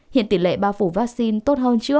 hiện tỉ lệ bao phủ vaccine